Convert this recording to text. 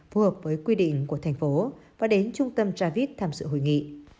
phù hợp với quy định của thành phố và đến trung tâm travis tham dự hội nghị